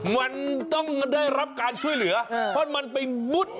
มันต้องได้รับการช่วยเหลือเพราะมันไปมุด